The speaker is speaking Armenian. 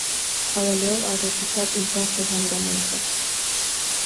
Աւելիով արժեցուց իր բարձր հանգամանքը։